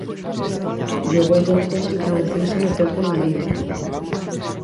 E o gol do encontro produciuse no tempo engadido.